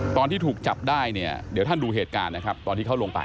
ตอนที่ถูกจับได้เนี่ยเดี๋ยวท่านดูเหตุการณ์นะครับตอนที่เขาลงไป